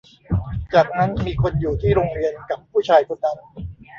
จากนั้นมีคนอยู่ที่โรงเรียนกับผู้ชายคนนั้น